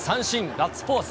ガッツポーズ。